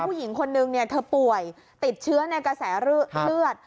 ผู้หญิงคนนึงเธอป่วยติดเชื้อในกระแสเลือด